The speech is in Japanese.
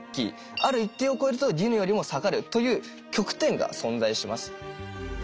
ある一定を超えるとディヌよりも下がるという極点が存在します。